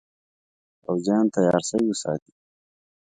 پوځیان تیار سی وساتي.